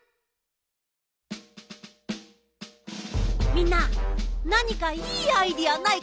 みんななにかいいアイデアないかな？